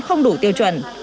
không đủ tiêu chuẩn